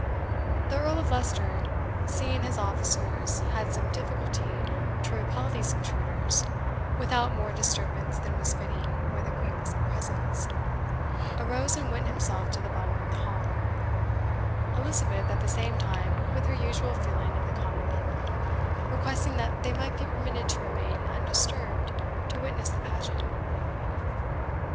The Earl of Leicester, seeing his officers had some difficulty to repel these intruders, without more disturbance than was fitting where the Queen was in presence, arose and went himself to the bottom of the hall; Elizabeth, at the same time, with her usual feeling for the common people, requesting that they might be permitted to remain undisturbed to witness the pageant.